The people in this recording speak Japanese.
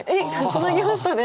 ツナぎましたね。